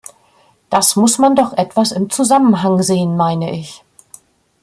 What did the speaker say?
Das muss man doch etwas im Zusammenhang sehen, meine ich.